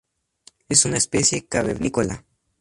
Es una especie cavernícola.